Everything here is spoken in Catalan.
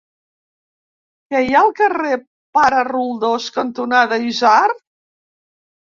Què hi ha al carrer Pare Roldós cantonada Isard?